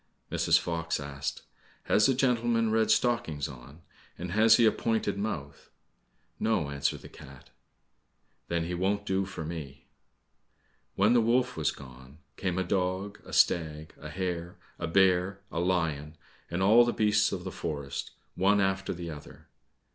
Mrs. Fox asked, "Has the gentleman red stockings on' and has he a pointed mouth?" "No," answered the cat. "Then he won't do for me." When the wolf was gone, came a dog, a stag, a hare, a bear, a lion, and all the beasts of the forest, one after the other.